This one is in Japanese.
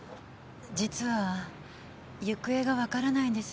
実は行方がわからないんです。